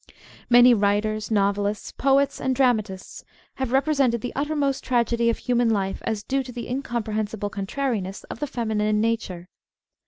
Many writers, novelists, poets and dramatists have represented the uttermost tragedy of human life as due to the incomprehensible contrariness of the femi nine nature.